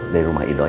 dari rumah iloy